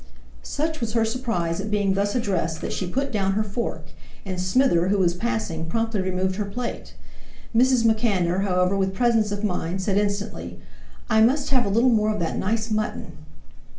Such was her surprise at being thus addressed that she put down her fork; and Smither, who was passing, promptly removed her plate. Mrs. MacAnder, however, with presence of mind, said instantly: "I must have a little more of that nice mutton."